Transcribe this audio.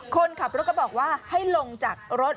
คนขับรถก็บอกว่าให้ลงจากรถ